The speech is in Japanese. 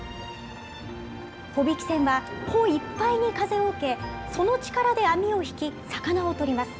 帆引き船は帆いっぱいに風を受け、その力で網を引き、魚を取ります。